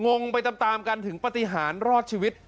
งงไปตามกันถึงปฏิหารรอดชีวิต